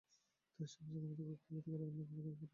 তিনি সমস্ত ক্ষমতা কুক্ষিগত করেন একনায়কতন্ত্র কায়েম করেন।